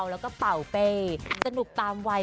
แล้วก็เป่าเป้สนุกตามวัย